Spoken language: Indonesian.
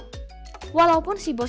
terima kasih pak